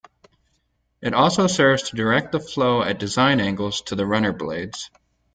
It also serves to direct the flow at design angles to the runner blades.